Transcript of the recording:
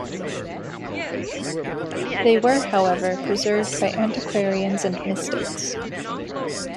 They were, however, preserved by antiquarians and mystics.